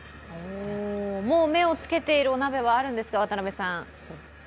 もう目をつけているお鍋はあるんですか？